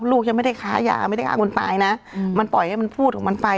ลูกยังไม่ได้ค้ายาไม่ได้ฆ่าคนตายนะมันปล่อยให้มันพูดของมันไป